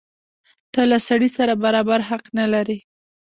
ته له سړي سره برابر حق نه لرې.